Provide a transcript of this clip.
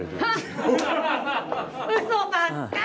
ハッウソばっかり！